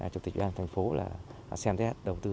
chủ tịch đoàn thành phố xem thét đầu tư